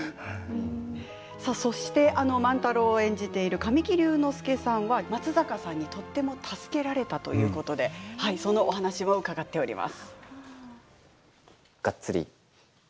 そして万太郎を演じている神木隆之介さんは松坂さんにとっても助けられたということでそのお話を伺っております。